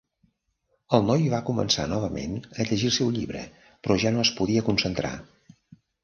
El noi va començar novament a llegir el seu llibre, però ja no es podia concentrar.